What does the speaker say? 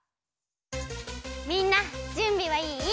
みんなじゅんびはいい？